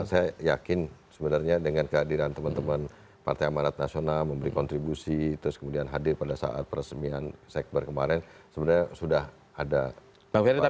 saya yakin sebenarnya dengan kehadiran teman teman partai amarat nasional memberi kontribusi terus kemudian hadir pada saat peresmian seks berkemarin sebenarnya sudah ada semangat yang sama